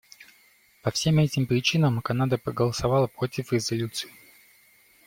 По всем этим причинам Канада проголосовала против резолюции.